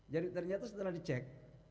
jadi ternyata setelah dicek